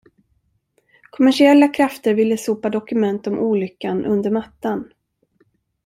Kommersiella krafter ville sopa dokument om olyckan under mattan.